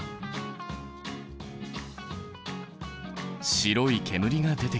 白い煙が出てきた。